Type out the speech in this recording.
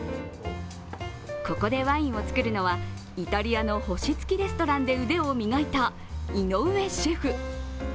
ここでワインを造るのはイタリアの星付きレストランで腕を磨いた井上シェフ。